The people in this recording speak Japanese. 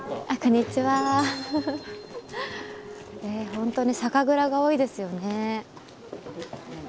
本当に酒蔵が多いですよね。